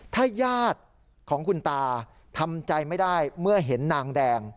ถ้าญาติของคุณตาทำใจไม่ได้เมื่อเห็นนางแดง